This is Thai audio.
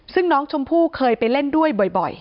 ซึ่งน้องชมพู่เคยไปเล่นด้วยบ่อย